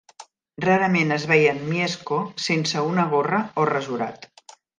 Rarament es veia en Mieszko sense una gorra o rasurat.